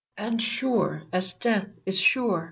And sure as death is sure.